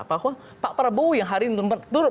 pak prabowo yang hari ini menurut